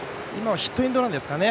ヒットエンドランですかね。